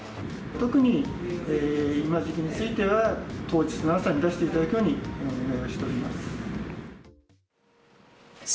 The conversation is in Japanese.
特に今時期については、当日の朝に出していただくようにお願いをしております。